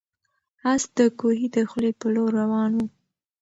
آس د کوهي د خولې په لور روان و.